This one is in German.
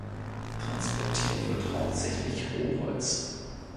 Transportiert wird hauptsächlich Rohholz.